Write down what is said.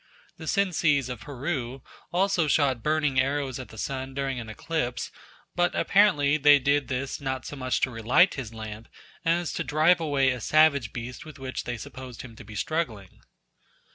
The Sencis of Peru also shot burning arrows at the sun during an eclipse, but apparently they did this not so much to relight his lamp as to drive away a savage beast with which they supposed him to be struggling.